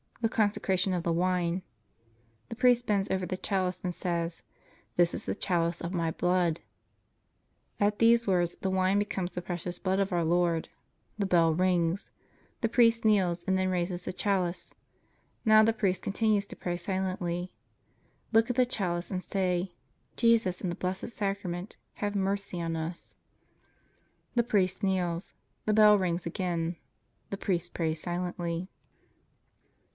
THE CONSECRATION OF THE WINE The priest bends over the chalice and says: THIS IS THE CHALICE OF MY BLOOD At these words, the wine becomes the Precious Blood of Our Lord. The bell rings. The priest kneels and then raises the chalice. Now the priest continues to pray silently. Look at the chalice and say: Jesus in the Blessed Sacrament, have mercy on us. The priest kneels. The bell rings again. The priest prays silently.